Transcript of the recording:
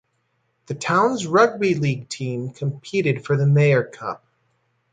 The town's rugby league team competed for the Maher Cup.